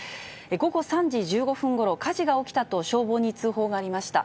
午後３時１５分ごろ、火事が起きたと、消防に通報がありました。